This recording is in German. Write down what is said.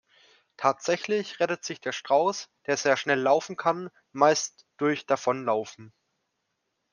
Tatsächlich rettet sich der Strauß, der sehr schnell laufen kann, meist durch Davonlaufen.